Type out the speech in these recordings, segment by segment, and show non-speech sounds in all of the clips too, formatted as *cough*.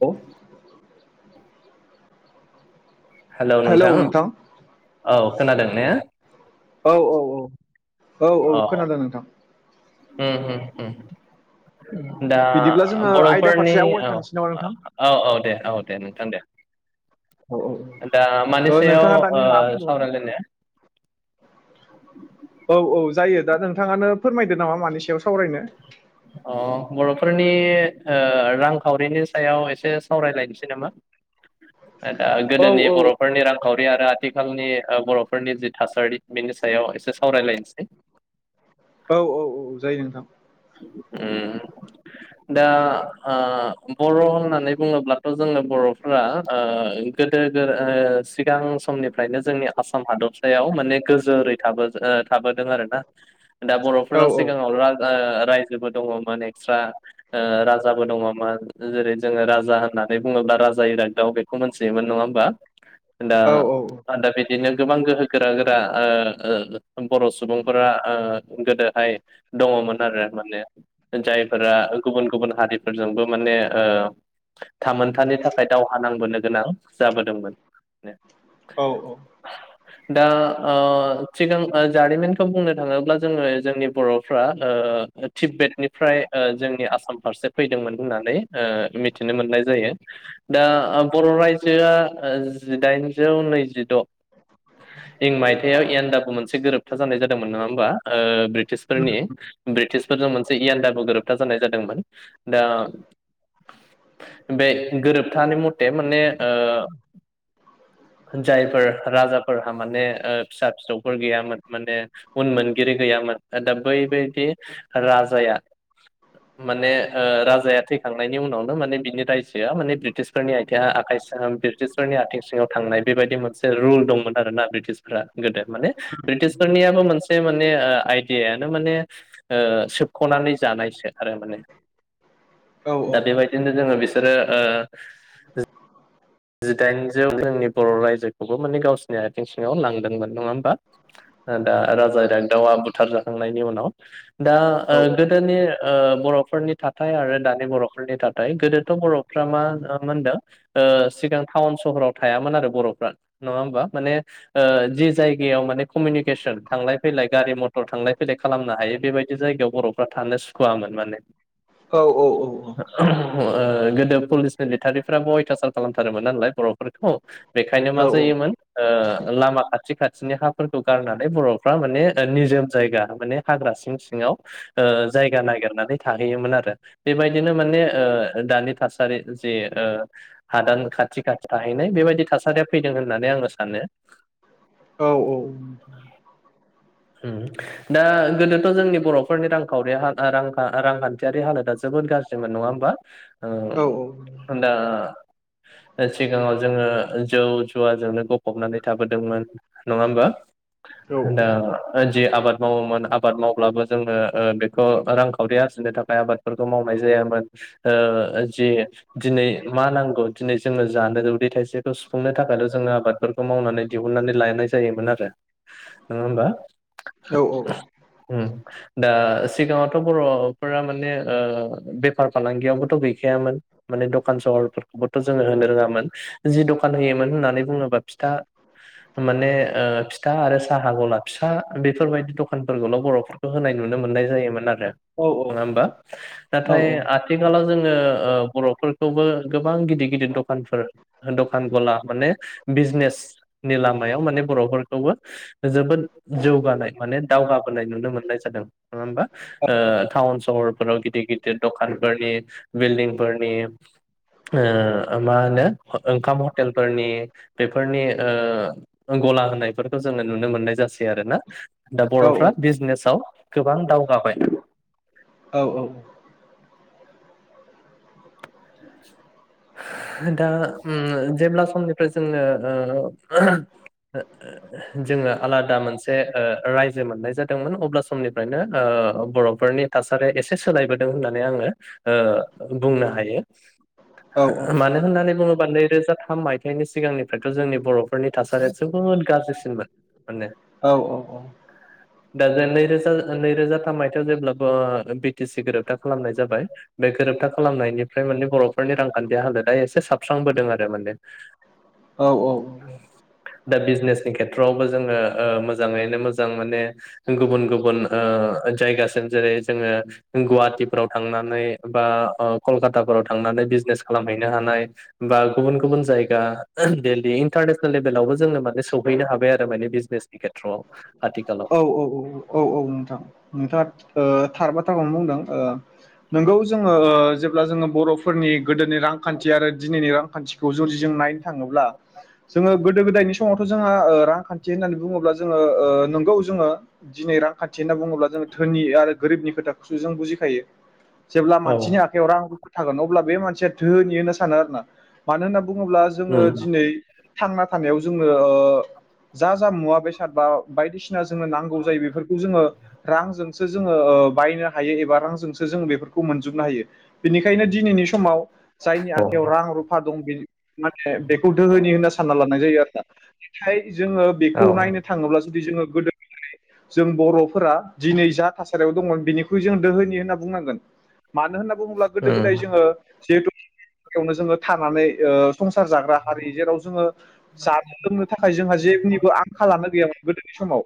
अ। हेल' नोंथां। औ खोनादों ने? औ औ औ। औ औ खोनादों नोंथां। होम होम होम। दा बिदिब्ला जोङो आयदा फारसे बर'फोरनि औ आवगायखानोसै नामा नोंथां औ औ दे औ दे नोंथां दे दा मानि ओ सायाव नोंथाङा दानि ओ मा बुंदोंमोन सावरायलायनो? औ औ जायो। दा नोंथाङानो फोरमायदो नामा मानि सायाव सावरायनो। अ बर'फोरनि ओ रांखावरिनि सायाव एसे सावरायलायनोसै नामा? दा औ गोदोनि औ बर'फोरनि रांखावरि आरो आथ थिखालनि बर'फोरनि जि थासारि बिनि सायाव एसे सावरायलायनोसै। औ औ औ जायो नोंथां। ओम दा ओ बर' होननानै बुङोब्लाथ' जोङो बर'फोरा ओ गोदो सिगां समनिफ्रायनो जोंनि आसाम हादरसायाव माने गोजोरै थाबो थाबो दों आरो ना दा औ बर'फोरा औ सिगाङाव राज दा रायजोबो दङमोन एक्सट्रा ओ राजाबो दङमोन जेरै जोङो राजा होननानै बुङोब्ला राजा इरागदआव बेखौ मोनथियोमोन नङा होमबा? दा औ औ *unintelligible* बिदिनो गोबां गोहो गोरा गोरा ओ ओबर' सुबुंफोरा ओ गोदोहाय दङमोन आरो। माने जायफोरा गुबुन गुबुन हारिफोरजोंबो माने ओ थामोनथानि थाखाय दावहा नांबोनो गोनां जाबोदोंमोन। औ औ। दा ओ सिगां जारिमिनखौ बुंनो थाङोब्ला जोङो जोंनि बर'फ्रा ओ तीब्बेतनिफ्राय जोंनि ओ आसाम फारसे फैदोंमोन होननानै ओ मिथ थिनो मोननाय जायो दा आ बर' राज्योया जिडाइनजौ नैजिड' इं मायथाइयाव एन्याडाबु मोनसे गोरोबथा जानाय जादोंमोन नङा ओम्बा ओ बृ टिश फोरनि ब्रिटिश से इयानडाबु गोरोबथा जानाय जादोंमोन दा बे गोरोबथानि मथे माने ओ जायफोर राजाफोरहा माने ओ फिसा फिसौफोर गैयामोन माने उन मोनगिरि गैया राजाया माने ओ राजाया थैखांनायनि उनावनो माने बिनि रायजोआ माने ब्रिटिसफोरनि *unintelligible* आखाइ सिङाव ब्रिटिशफोरनि आथिं सिङाव थांनाय बेबायदि मोनसे रुल दंमोन आरोना ब्रिटिसफोरा गोदो माने ब्रिटिशफोरनियाबो मोनसे मानै आइदिया दा माने ओ सोबख'नानै जानायसो आरो माने औ दा औ बेबायदिनो जोङो बेस आरो ओ ओम जिडाइनजौ *unintelligible* जोंनि बर' रायजोखौबो माने गावसोरनि आथिं सिङाव लांदोंमोन नङा होम *unintelligible* दा राजा *unintelligible* दाउआ बुथार जाखांनायनि उनाव दा ओ गोदोनि ओ बर'फोरनि थाथाइ आरो दानि बर'फोरनि थाथाइ गोदोथ' बर'फ्रा मा होनदों ओ सिगां टाउन सह'राव थायामोन आरो बर'फ्रा नङा होमबा माने ओ जि जायगायाव माने कमिनिकेसन थांलाय फैलाय गारि मथर थांलाय फैलाय खालामनो हायो बेबायदि जायगायाव बर'फ्रा थानो सुखुवामोन माने औ औ औ औ ओ गोदो पुलिस मिलिटारिफोराबो अयथासार खालामथारोमोन नालाय बर'फोरखौ बेखायनो मा जायोमोन ओ लामा खाथि खाथिनि हाफोरखौ गारनानै बर'फ्रा माने निजोम जायगा माने हाग्रा सिं सिङाव ओ जायगा नागिरनानै थाहैयोमोनआरो बेबायदिनो माने ओ दानि थासारि जे ओ हादान खाथि खाथि थाहैनाय बेबायदि थासारिया फैदों होननानै आङो सानो हुम दा गोदोथ' जोंनि बर'फोरनि रांखावरिया *unintelligible* रां रांखान्थियारि हालोदा जोबोद गाज्रिमोन नङा होमबा ओ दा सिगाङाव जोङो जौ जुवाजोंनो गफबनानै थाबोदोंमोन नङा होमबा होनदा जि आबाद मावोमोन आबाद मावब्लाबो जोङो-ओ बेखौ रांखावरि आरजिनो थाखाय आबादफोरखौ मावनाय जायामोन ओ जि दिनै मा नांगौ दिनै जोङो जानो उदै थाइसेखौ सुफुंनो थाखायल' जोङो आबादफोरखौ मावनानै दिहुननानै लानाय जायोमोन आरो नङा होमबा *inaudible* उम दा सिगाङावथ' बर'फोरा माने ओ बेफार फालांगियावबोथ' गैखायामोन माने दखान सहरफोरखौबोथ' जोङो होनो रोङामोन जि दखान होयोमोन होननानै बुङोबा फिथा माने फिथा आरो साहा गला फिसा बेफोर बायदि दखानफोरखौल' बर'फोरखौ होनाय नुनो मोननाय जायोमोनआरो औ औ नाथाय आथिखालाव जोङो ओ बर'फोरखौबो गोबां गिदिर गिदिर दखानफोर दखान गला माने बिजनेसनि लामायाव माने बर'फोरखौबो जोबोद जौगानाय माने दावगाबोनाय नुनो मोननाय जादों नङा होमबा ओ टाउन सहरफोराव गिदिर गिदिर दखानफोरनि बिलदिंफोरनि ओ मा होनो ओंखाम हटेलफोरनि बेफोरनि ओ गला होनायफोरखौ जोङो नुनो मोननाय जास *unintelligible* आरो ना दा बर'फ्रा बिजनेसाव गोबां दावगाबाय *inaudible* दा उम जेब्ला समनिफ्राय जोङो ओ *inaudible* जोङो आलादा मोनसे रायजो मोननाय जादोंमोन अब्ला समनिफ्रायनो ओ बर'फोरनि थासारिया एसे सोलायबोदों होननानै आङो ओ बुंनो हायो *unintelligible* मानो होननानै बुङोबा नैरोजा थाम मायथाइनि सिगांनिफ्राइथ' जोंनि बर'फोरनि थासारिया जोबोद गाज्रिसिनमोन माने औ औ औ दा जों नैरोजा नैरोजा थाम मायथाइयाव जेब्लाबो ओ बि टि सि गोरोबथा खालामनाय जाबाय बे गोरोबथा खालामनायनि फ्राय माने बर'फोरनि रांखान्थि हालोदा एसे साबस्रांबोदों आरो माने औ औ औ दा बिजनेसनि खेत्रआवबो जोङो ओ मोजाङैनो मोजां माने गुबुन गुबुन ओ जायगासिम जेरै जोङो गुवाहाटिफ्राव थांनानै बा टाफोराव थांनानै बिजनेस खालामहैनो हानाय बा गुबुन गुबुन जायगा दिल्ली इन्टारनेसनेल लेभेलावबो जोंनो माने सौहैनो हाबाय आरो माने बिजनेसनि खेथ्र'आव आथिखालाव औ औ औ नोंथां नोंथाङा ओ थार बाथ्राखौनो बुंदों ओ नोंगौ जोङो ओ जेब्ला जोङो बर'फ फोरनि गोदोनि रांखान्थि आरो दिनैनि रांखान्थिखौ जुदि जों नायनो थाङोब्ला जोङो गोदो गोदायनि स समावथ' जोंहा ओ रांखान्थि होन्नानै बुङोब्ला जोङो ओ नंगौ जोङो दिनै रांखान्थि होननानै बुङोब्ला जों धोनि आरो गोरिबनि खोथाखौसो जों बुजिखायो। जेब्ला औ मानसिनि आखायाव रां रु थागोन अब्ला बे मानसिया धोनि होनो सानो आरोना मानो होनोब बुङोब्ला जोङो उम दिनै थांना थानायाव जोङो ओ जा जामुवा बेसाद बा बायदिसिना जोङो नांगौ जायो बेफोरखौ जोङो रांजोंसो जोङो ओ बायनो हायो एबा रांजोंसो जोङो बेफोरखौ मोनजोबनो हायो बिनिख खायनो दिनैनि समाव जायनि औ आखाइायाव रां रुफा दं बि माने बेखौ दोहोनि होनना सानना लानाय जायो आरो ना? फाय जोङो बेखौ औ नायनो थाङोब्ला जुदि जोङो गोदोनिफ्रायनो जों बर'फोरा दिनै जा थासारियाव दंमोन बेनिख्रुइ जों दोहोनि होनना बुंनांगोन। मानो होनना बुङोब्ला गोदो गोदाय उम, जोङो जिहेथु बेवनो जोङो थानानै ओ संसार जाग्रा हारि जेराव जोङो जानो लोंनो थाखाय जोंहा जेनिबो आंखाल लानो गैयामोन गोदोनि समाव।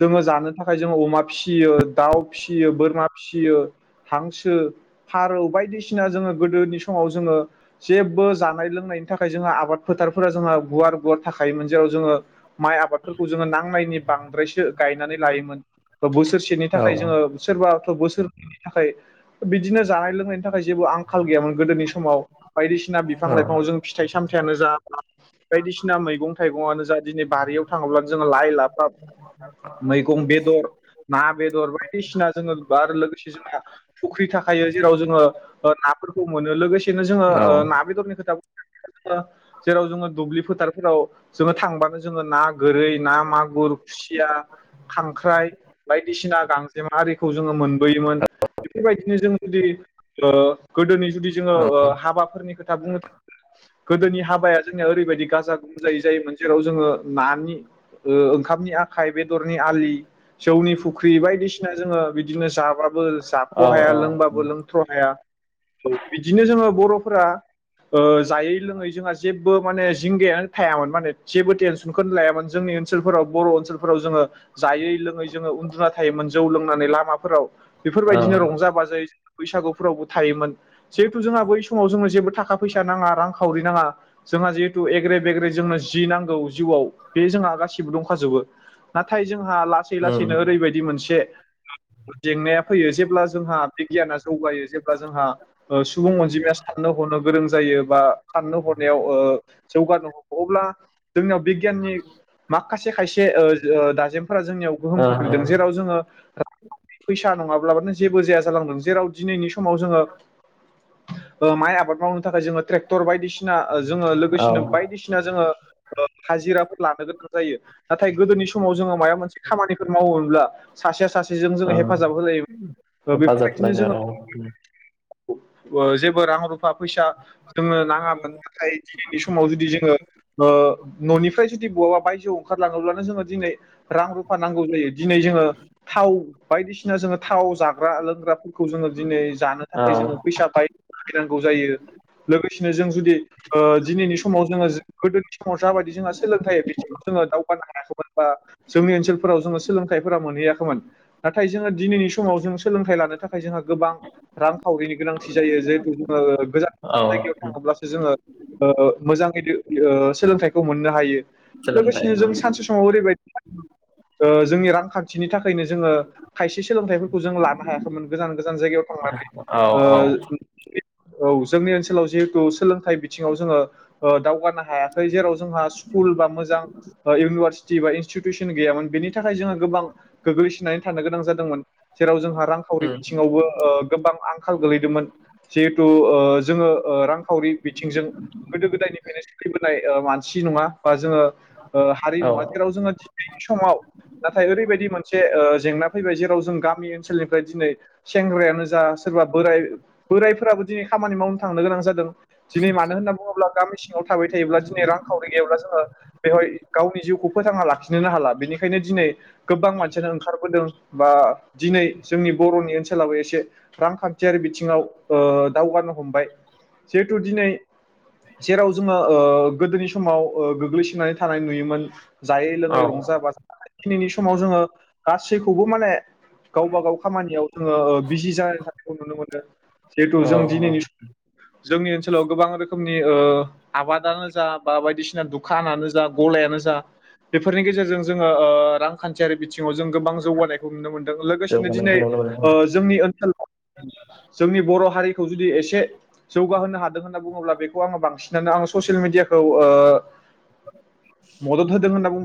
जोङो जानो थाखाय जोङो अमा फिसियो दाउ फिसियो बोरमा फिसियो हांसो फारौ बायदिसिना जोङो गोदोनि समाव जोङो जेबो जानाय लोंनायनि थाखाय जोंहा आबाद फोथारफोरा जोंहा गुवार गुवार थाखोमोन जेराव जोङो माइ आबादफोरखौ जोङो नांनायनि बांद्रायसो गायनानै लायोमोन। बोसोरसेनि औ थाखाय जोङो सोरबा बोसोरैनि थाखाय बिदिनो जानाय लोंनायनि नि थाखाय जेबो आंखाल गैयामोन गोदोनि समाव। बायदिसिना बिफां लाइफां जों फिथाइ सामथाययानो जा बायदिसिना मैगं थाइगंआनो जा दिनै बारियाव थाङोब्लानो जोङो लाइ लाफाब मैगं बेदर ना बेदर बायदिसिना जोङो आरो लोगोसे जोंहा फुख्रि थाखायो जेराव जोङो ओ नाफोरखौ मोनो लोगोसे बेनो जोङो औ ओ ना बेदरनि खोथा जेराव जोङो दुब्लि फोथारफोराव जोङो थांबानो जोङो ना गोरै, ना, मागुर, खुसिया, खांख्राइ बायदिसिना गांजे आरिखौ जोङो मोन बोयोमोन इफोरबायदिनो जों जुदि ओ गोदोनि जुदि जोङो हाबाफोरनि खोथा बुंनो थाङोब्ला गोदोनि हाबाया जोंनिया ओरैबायदि गाजा गोमजायै जायोमोन जेराव जोङो नानि ओंखामनि खाइ बेदरनि आलि जौनि फु्रि बायदिसि सिना जोङो बिदिनो जाबाबो बो जाख औ हाया लोंबाबो उम, लोंथ्र' हाया बिदिनो जोङो बर' जायै लोङै जोंहा जेबो माने जिंगायानो थायामोन माने जेबो टेनसनखौनो लायामोन जोंनि ओनसोलफोराव बर' ओनसोलफोराव जोङो जायै लोङै जोङो उन्दुना थायोमोन जौ लोंनानै लामाफोराव बेफोरबायदिनो रंजा बाजायै बैसागुफोरावबो थायोमोन जिहेथु जोंहा बै समाव जोंनो जेबो थाखा फैसा नाङा रां खावरि नाङा जोंहा जिहुथे एग्रे बेग्रे जोंनो जि नांगौ जिउआव बे जोंहा गासिबो दंखाजोबो नाथाय जोंहा लासै लासैनो ओरैबायदि मोनसे *unintelligible* जेंनाया फैयो जेब्ला जोंहा बिगियान जौगायो जेब्ला जोंहा सुबुं अनजिमाया साननो हनो गोरों जायो बा साननो हनायाव जौगानो हमो अब्ला जोंनियाव बिगियाननि माखासे खायसे खायसे दजेमफोरा जोंनिया गोहोम ओ खोख्लैदों जेराव जोङो फैसा नङाब्लानो जेबो जाया जालांदों जेराव दिनैनि समाव जोङो माइ आबाद मावनो थाखाय जोङो ट्रेक्टर टर बायदिसिना जोङो औ लोगोसेनो बायदिसिना जोङो हाजिराफोर लानो गोनां जायो नाथाय गोदोनि समाव जोङो माबा मोनसे खामानिफोर मावोमोनब्ला सासेआ सासे जोङो ओ हेफाजाब होलाय हेफाजाब बेफोरबायदिनो होलायनाय जोङो औ जेबो रां रुफा फैसा जोङो नाङामोन नाथाय दिनैनि समाव जुदि जोङो न'निफ्राय जुदि बहाबा बायजोआव ओंखारलाङोब्लानो जोङो दिनै रां रुफा नांगौ जायो दिनै जोङो थाव बायदिसिना जोङो थाव जाग्रा लोंग्राफोरखौ जोङो दिनै जानो थाखाय जोङो औ फैसाखौहाय खैनांगौ जायो लोगोसेनो जों जुदि ओ दिनैनि समाव जोङो जो गोदोनि समाव जाबायदि जोंहा सोलोंथायाइ बिथिङाव जोङो दावगानो हायाखै। बा जोंनि ओनसोल जोंयो सोलोंथायफोरा मोनहैयाखैमोन नाथाय जोङो दिनैनि समाव जों सोलोंथाय लानो थाखाय जोंहा गोबां रांखावरिनि गोनांथि जायो जेहेथु जोङो गोजान गोजान औ जायगायाव थाङोब्लासो जोङो ओ मोजांनायदो। इओ सोलोंथाइखौ मोननो हायो सोलोंथाइ लोगोसेनो जों सानसे समाव ओरैबाय ओ जोंनि रांखान्थिनि थाखायनो जोङो खायसे सोलोंथाइफोरखौ जों लानो हायाखैमोन गोजान गोजान जायगायाव थांनानै औ औ ओ औ जोंनि ओनसोलाव जिहेतु सोलोंथाइ बिथिङाव जोङो ओ दावगानो हायाखै जेराव जोंहा स्कुल बा मोजां ओ इउनिभारसि थि भारिनस सुथुसु फिन गैयामोन बेनिथ थाखाय जोंहा गोबां गोग्लैसोनानै थानो गोनां जादोंमोन जेराव जोंहा रांखावरि उम, बिथिङावबो ओ गोबां आंख थाव गोलैदोंमोन। जिहेथु ओ जोङो ओ रांखावरि बिथिंजों गोदो गोदायनिफ्रायनो सोलिबोनाय ओ मानसि नङा। बा जोङो ओ हारि औ नङा जेराव जोङोदि दिनैनि समाव। नाथाय ओरैबायदि मोनसे ओ जेंना फैबाय जेराव जों गामि ओनसोलनिफ्राय दिनै सेंग्रायानो जा सोरबा बोराय बोरायफोराबो दिनै खामानि मावनो थांनो गोनां जादों। दिनै मानो होनना बुङोब्ला गामि सिङाव थाबाय थायोब्ला दिनै रांखावरि गैयोब्ला जोङो बेवहाय गावनि जिउखौ फोथांना लाखि नोलो हाला बेनिखायनो दिनै गोबां मानसियानो ओंखारबोदों बा दिनै जोंनि बर'नि ओनसोलाबो एसे रांखान्थियारि बिथिङाव ओ दावगानो हमबाय जिहेथु दिनै जेराव जोङो ओ गोदोनि समाव ओयो गोग्लैसोनानै थानाय नुयोमोन जाय औ रै रंजा बाजा दाखालि दिनैनि समाव जोङो गासैखौबो माने गावबा गाव खामानियाव जोङो ओ बिजि जानाय थानायखौ नुनो मोनो जिहेथु जों औ दिनैनि स जोंनि ओनसोलाव गोबां रोखोमनि ओ आबादानो जा बा बायदिसिना दुखानानो जा गलायानो जा बेफोरनि गेजेरजों जोङो ओ रांखान्थियारि बिथिङाव जों गोबां जौगानायखौ नुनो मोन जों लोगोसेनो दिनै जौगानायखौ नुनो मोनो ओ जोंनि ओनसोल जोंनि बर' हारिखौ जुदि एसे जौगाहोनो हादों होनना बुङोब्ला बेखौ आङो बांसिनानो आङो ससियेल मिडियाखौ ओ मदद होदों होनना बुं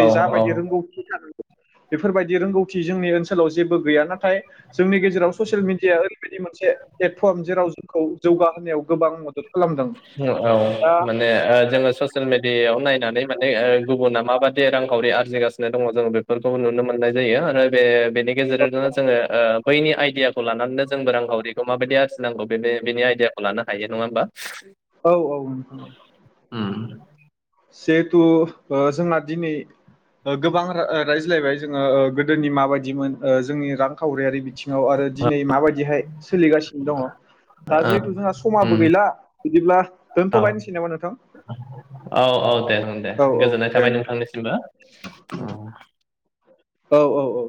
औ औ सिन औ दा माने ओ जोङो ससियेल मिडियायाव नाय नानै माने ओ गुबुना माबादि रांखावरि आरजिगासिनो दङ जों बेफोरखौबो नुनो मोननाय जायो आरो बे बेनि गेजेरजोंनो जोङो ओयो बैनि आइदियाखौ लानानैनो जोंबो रांखावरिखौ माबायदि आरजिनांगौ बेनि बेनि आइडियाखौ लानो हायो नङा होमबा? औ औ नोंथां। उम जिहेथु ओ जोंना दिनै ओ गोबां ओ रायज्लायबाय जोङो ओ गोदोनि माबायदिमोन ओ जोंनि रांखावरियारि बिथिङाव आरो दिनै माबायदिहाय सोलिगासिनो दङ'। ओ दा जिहेथु जोंहा उम समाबो गैला बिदिब्ला औ दोनथ'लायनोसै नामा नोंथां? औ औ दे दे औ औ गोजोननाय दे थाबाय नोंथां नोंथांनिसिमबो। औ औ औ